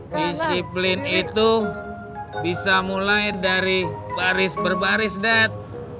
disiplin itu bisa mulai dari baris berbaris dek